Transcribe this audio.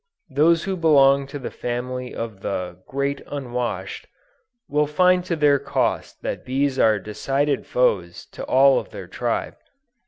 Those who belong to the family of the "great unwashed," will find to their cost that bees are decided foes to all of their tribe.